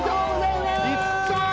いったー！